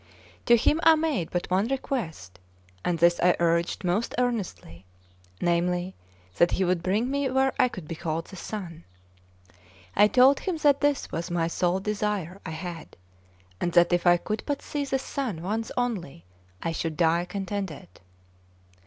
To him I made but one request, and this I urged most earnestly, namely, that he would bring me where I could behold the sun. I told him that this was the sole desire I had, and that if I could but see the sun once only, I should die contented.